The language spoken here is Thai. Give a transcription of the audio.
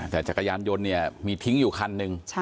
แต่จักรยานยนต์เนี่ยมีทิ้งอยู่คันหนึ่ง